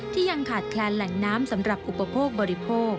ยังขาดแคลนแหล่งน้ำสำหรับอุปโภคบริโภค